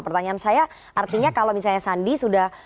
pertanyaan saya artinya kalau misalnya sandi sudah